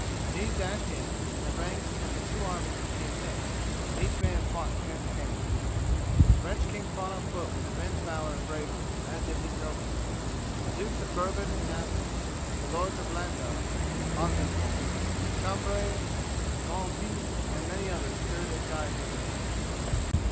These dashed in, and the ranks of the two armies became mixed, and each man fought hand to hand. The French king fought on foot with immense valour and bravery, as did his nobles. The Dukes of Bourbon and Athens, the Lords of Landas, Argenton, Chambery, Joinville, and many others stood and died near the king.